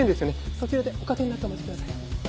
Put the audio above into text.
そちらでおかけになってお待ちください。